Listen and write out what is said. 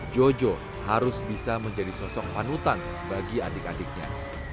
jojo harus bisa menjadi sosok panutan bagi adik adiknya